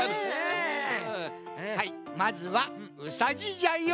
はいまずはうさじいじゃよ！